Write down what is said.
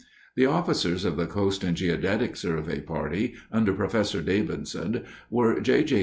The officers of the Coast and Geodetic Survey party under Professor Davidson were J. J.